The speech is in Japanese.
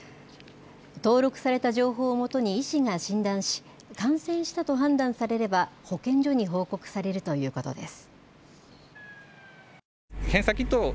登録された情報をもとに医師が診断し、感染したと判断されれば保健所に報告されるということです。